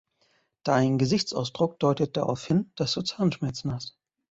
Dein Gesichtsausdruck deutet daraufhin, dass du Zahnschmerzen hast.